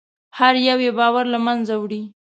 هر یو یې باور له منځه وړي.